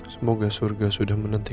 semoga surga sudah menanti